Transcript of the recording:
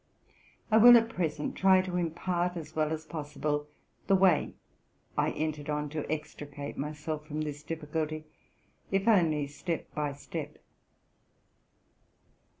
I will at present try to impart, as well as possible, the way I entered on to extri cate myself from this difficulty, if only step by step.